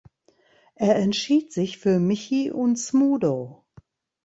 Er entschied sich für Michi und Smudo.